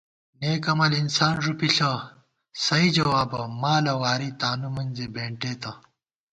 نېک عمل انسان ݫُپی ݪہ سئ جوابہ مالہ واری تانُو مِنزی بېنٹېتہ